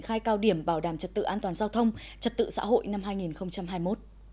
khai cao điểm bảo đảm trật tự an toàn giao thông trật tự xã hội năm hai nghìn hai mươi một